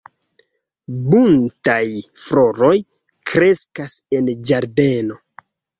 Buntaj floroj kreskas en ĝardeno.